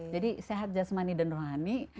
jadi sehat jasmani dan rohani